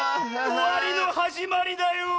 おわりのはじまりだよ。